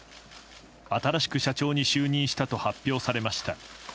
新しく社長に就任したと発表されました。